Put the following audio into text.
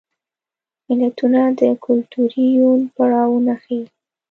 متلونه د کولتوري یون پړاوونه ښيي